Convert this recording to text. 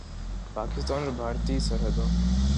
پاکستان اور بھارتی سرحدوں